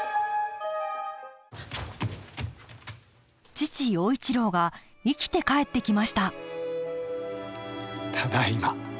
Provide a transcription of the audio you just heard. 父陽一郎が生きて帰ってきましたただいま。